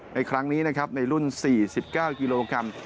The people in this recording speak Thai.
ในครั้งนี้นะครับในรุ่น๔๙กิโลกรัม